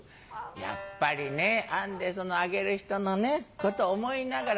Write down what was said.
「やっぱりね編んであげる人のことを思いながら